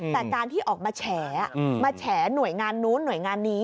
แต่การที่ออกมาแฉมาแฉหน่วยงานนู้นหน่วยงานนี้